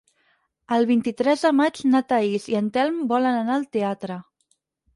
El vint-i-tres de maig na Thaís i en Telm volen anar al teatre.